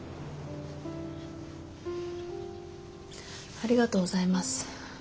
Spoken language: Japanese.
ありがとうございます。